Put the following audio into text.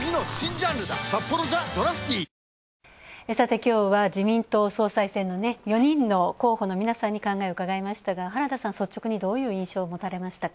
きょうは自民党総裁選の４人の候補の皆さんに考えを伺いましたが原田さん、率直にどういう印象を持たれましたか？